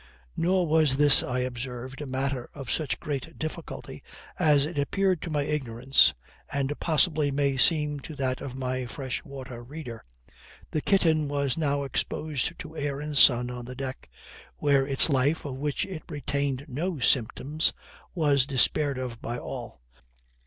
Nor was this, I observed, a matter of such great difficulty as it appeared to my ignorance, and possibly may seem to that of my fresh water reader. The kitten was now exposed to air and sun on the deck, where its life, of which it retained no symptoms, was despaired of by all.